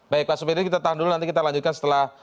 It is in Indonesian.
baik pak supedi kita tahan dulu nanti kita lanjutkan setelah